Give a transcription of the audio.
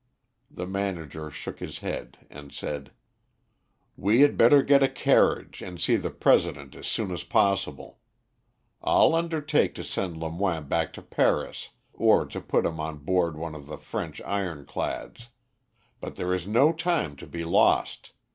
The manager shook his head and said "We had better get a carriage and see the President as soon as possible. I'll undertake to send Lemoine back to Paris, or to put him on board one of the French ironclads. But there is no time to be lost.